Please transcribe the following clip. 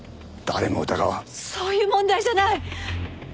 そういう問題じゃない！